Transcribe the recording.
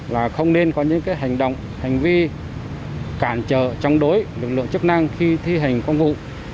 là không nên có những hành động hành vi cản trở chống đối lực lượng chức năng khi thi hành công vụ